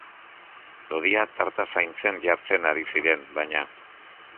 Lodia tarta zaintzen jartzen ari ziren, baina.